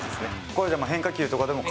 これ、変化球とかでも。